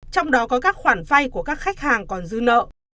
trong đó có các khoản vay của các khách hàng còn dư nợ